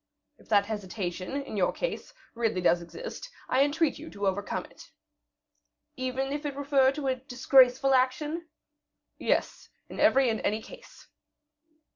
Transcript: "If that hesitation, in your case, really does exist, I entreat you to overcome it." "Even if it refer to a disgraceful action?" "Yes; in every and any case."